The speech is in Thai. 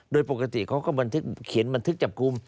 โดยปกติเขาก็บันทึกเขียนบันทึกจับกลุ่ม